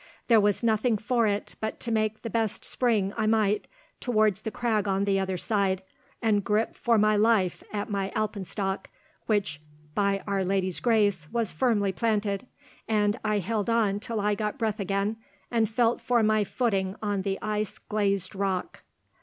There was nothing for it but to make the best spring I might towards the crag on the other side, and grip for my life at my alpenstock, which by Our Lady's grace was firmly planted, and I held on till I got breath again, and felt for my footing on the ice glazed rock."